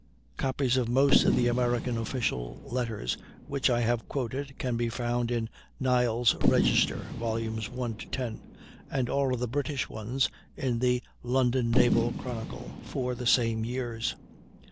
Copies of most of the American official letters which I have quoted can be found in "Niles' Register," volumes 1 to 10, and all of the British ones in the "London Naval Chronicle" for the same years.